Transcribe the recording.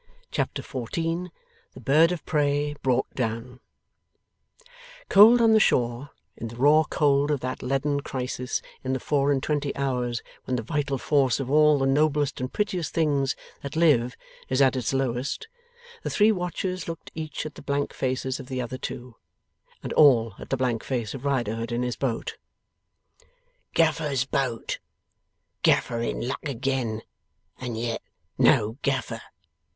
Chapter 14 THE BIRD OF PREY BROUGHT DOWN Cold on the shore, in the raw cold of that leaden crisis in the four and twenty hours when the vital force of all the noblest and prettiest things that live is at its lowest, the three watchers looked each at the blank faces of the other two, and all at the blank face of Riderhood in his boat. 'Gaffer's boat, Gaffer in luck again, and yet no Gaffer!